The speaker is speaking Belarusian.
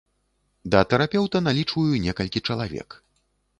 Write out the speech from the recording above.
Да тэрапеўта налічваю некалькі чалавек.